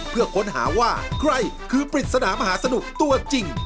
เพื่อค้นหาว่าใครคือปริศนามหาสนุกตัวจริง